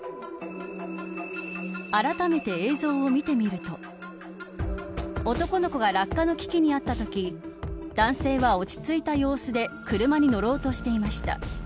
あらためて映像を見てみると男の子が落下の危機にあったとき男性は落ち着いた様子で車に乗ろうとしていました。